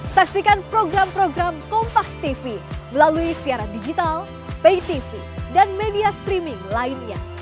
saksikan program program kompastv melalui siaran digital paytv dan media streaming lainnya